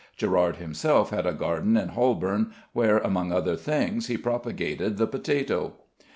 Gerard himself had a garden in Holborn, where among other things he propagated the potato.